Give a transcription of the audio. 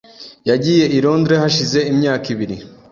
Yagiye i Londres hashize imyaka ibiri .